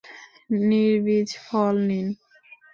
নির্বীজ ফল নিন!